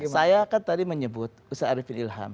saya kan tadi menyebut ustadz arifin ilham